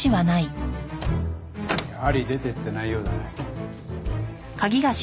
やはり出ていってないようだね。